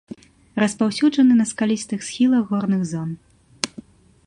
Распаўсюджаны на скалістых схілах горных зон.